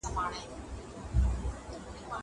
زه سبزېجات وچولي دي.